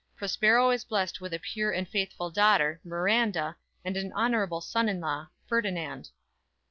Prospero is blessed with a pure and faithful daughter Miranda, and an honorable son in law Ferdinand.